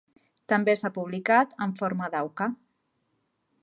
També s'ha publicat en forma d'auca.